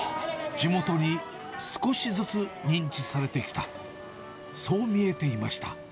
地元に少しずつ認知されてきた、そう見えていました。